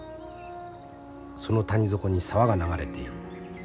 その谷底に沢が流れている。